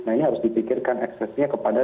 nah ini harus dipikirkan eksesnya kepada